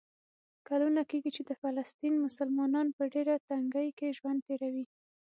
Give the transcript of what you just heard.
کلونه کېږي چې د فلسطین مسلمانان په ډېره تنګۍ کې ژوند تېروي.